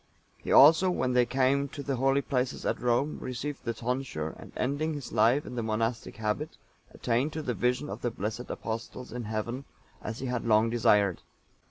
(888) He also, when they came to the holy places at Rome, received the tonsure, and ending his life in the monastic habit, attained to the vision of the blessed Apostles in Heaven, as he had long desired.